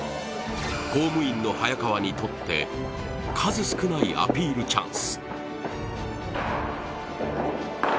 公務員の早川にとって数少ないアピールチャンス。